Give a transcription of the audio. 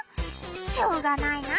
しょうがないな。